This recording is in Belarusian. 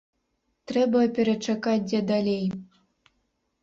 Трэба перачакаць дзе далей.